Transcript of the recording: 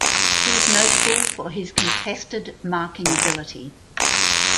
He is notable for his contested marking ability.